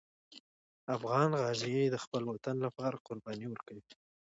افغان غازي د خپل وطن لپاره قرباني ورکوي.